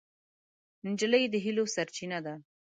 نجلۍ د هیلو سرچینه ده.